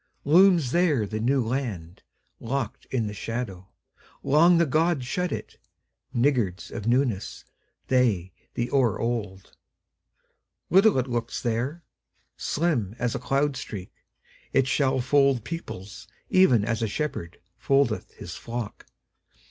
Looms there the New Land:Locked in the shadowLong the gods shut it, Niggards of newnessThey, the o'er old. Little it looks there, Slim as a cloud streak; It shall fold peoplesEven as a shepherdFoldeth his flock.